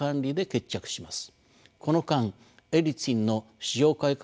この間エリツィンの市場改革